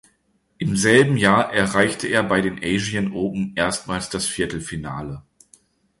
Im selben Jahr erreichte er bei den Asian Open erstmals das Viertelfinale.